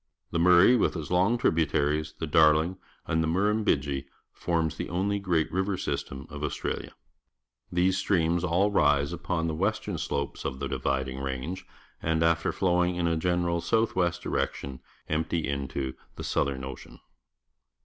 The Murray, with its long tributaries, the Darlin g and the Murrujnbidgee, forms the only great river sj'stem of Australia. These streams all rise upon the western sloi)es of the Dividing Range, and, after flowing in a general south west direction, empty into the Southern Ocean.